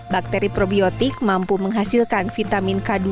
bakteri probiotik adalah makanan yang berperan penting dalam menjaga kesehatan usus